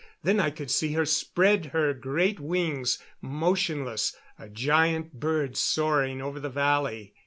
Then I could see her spread her great wings, motionless, a giant bird soaring over the valley.